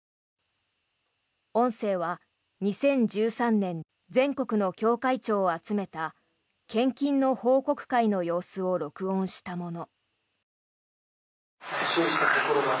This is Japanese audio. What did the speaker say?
音声は２０１３年全国の教会長を集めた献金の報告会の様子を録音したもの。